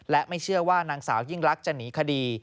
และไม่เชื่อว่านางสาวยิ่งลักษณ์จะหนีคดี